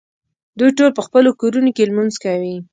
دوی ټول په خپلو کورونو کې لمونځ کوي.